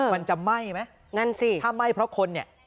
มันจะไหม้ไหมนั่นสิถ้าไหม้เพราะคนเนี่ย